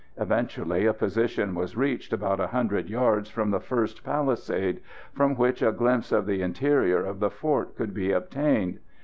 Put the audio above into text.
Eventually, a position was reached about 100 yards from the first palisade, from which a glimpse of the interior of the fort could be obtained.